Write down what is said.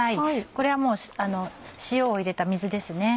これはもう塩を入れた水ですね。